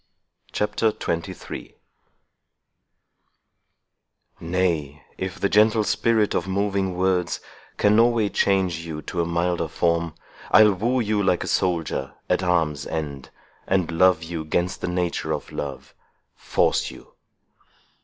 CHAPTER XXIII Nay, if the gentle spirit of moving words Can no way change you to a milder form, I'll woo you, like a soldier, at arms' end, And love you 'gainst the nature of love, force you.